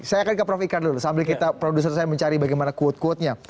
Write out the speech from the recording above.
saya akan ke prof ikral dulu sambil kita produser saya mencari bagaimana quote quotenya